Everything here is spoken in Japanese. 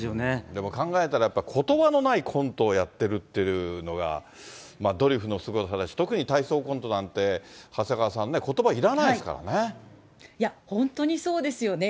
でも考えたら、やっぱりことばのないコントをやってるっていうのが、ドリフのすごさで、特に体操コントなんて、長谷川さんね、いや、本当にそうですよね。